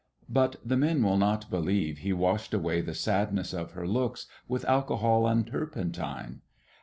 But the men will not believe he washed away the sadness of her looks with alcohol and turpentine.